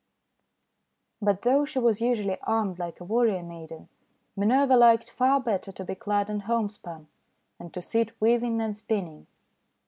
But, though she was usually armed like a war rior maiden, Minerva liked far better to be clad in homespun, and to sit weaving and spinning.